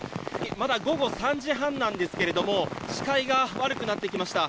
まだ午後３時半なんですが視界が悪くなってきました。